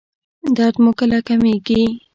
درد مو کله کمیږي؟